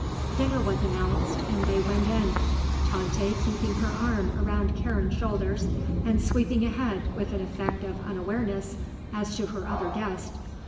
Dinner was announced and they went in, Tante keeping her arm around Karen's shoulders and sweeping ahead with an effect of unawareness as to her other guest.